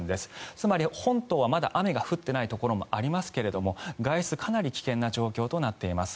つまり本島はまだ雨が降っていないところもありますが外出、かなり危険な状況となっています。